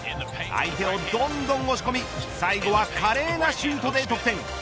相手をどんどん押し込み最後は華麗なシュートで得点。